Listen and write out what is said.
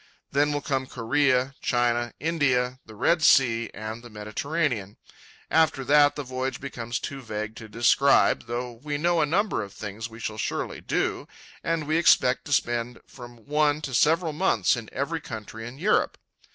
Then will come Korea, China, India, the Red Sea, and the Mediterranean. After that the voyage becomes too vague to describe, though we know a number of things we shall surely do, and we expect to spend from one to several months in every country in Europe.